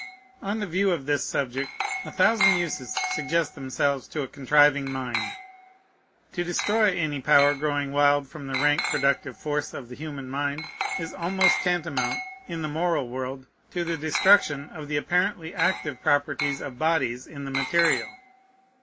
On the view of this subject, a thousand uses suggest themselves to a contriving mind. To destroy any power growing wild from the rank productive force of the human mind is almost tantamount, in the moral world, to the destruction of the apparently active properties of bodies in the material.